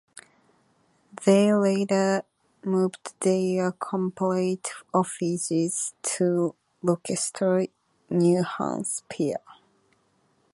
They later moved their corporate offices to Rochester, New Hampshire.